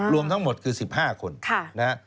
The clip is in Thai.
รวมทั้งหมดคือ๑๕คน